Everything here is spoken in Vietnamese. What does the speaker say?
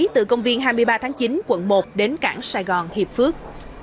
từ công viên hai mươi ba tháng chín quận một đến cảng sài gòn hiệp phước